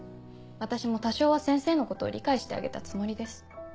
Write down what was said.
私も多少は先生のことを理解してあげたつもりです。